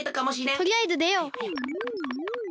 とりあえずでよう！